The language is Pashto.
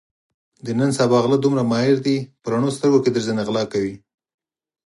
د نن سبا غله دومره ماهر دي په رڼو سترګو کې درځنې غلا کوي.